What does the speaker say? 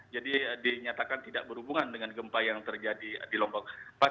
jadi dinyatakan tidak berhubungan dengan gempa yang terjadi di lombok